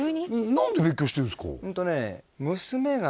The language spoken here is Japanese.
何で別居してるんですか？